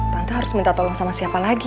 tante harus minta tolong sama siapa lagi